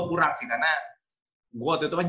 kurang sih karena gue waktu itu